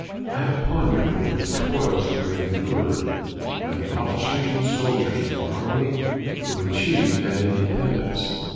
I have pondered over the toils that were endured by the officers and soldiers of the army who achieved that independence.